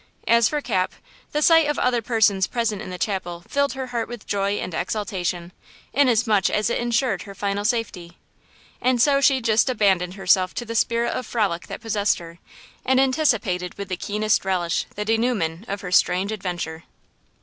As for Cap, the sight of other persons present in the chapel filled her heart with joy and exultation, inasmuch as it insured her final safety. And so she just abandoned herself to the spirit of frolic that possessed her, and anticipated with the keenest relish the dénouement of her strange adventure.